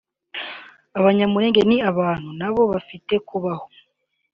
abanyamulenge ni abantu nabo bafite kubaho